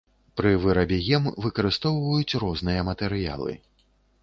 Пры вырабе гем выкарыстоўваюць розныя матэрыялы.